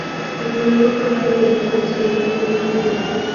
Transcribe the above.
maporomoko hayo yaana maji yenye nguvu kubwa